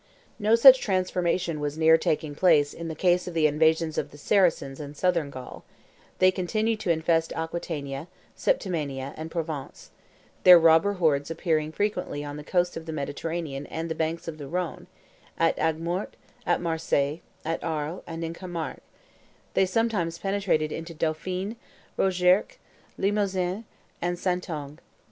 No such transformation was near taking place in the case of the invasions of the Saracens in Southern Gaul; they continued to infest Aquitania, Septimania, and Provence; their robber hordes appeared frequently on the coasts of the Mediterranean and the banks of the Rhone, at Aigues Mortes, at Marseilles, at Arles, and in Camargue; they sometimes penetrated into Dauphine, Rouergue, Limousin, and Saintonge.